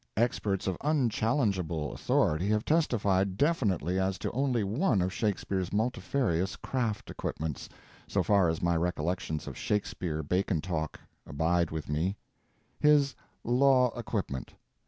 Experts of unchallengeable authority have testified definitely as to only one of Shakespeare's multifarious craft equipments, so far as my recollections of Shakespeare Bacon talk abide with me—his law equipment.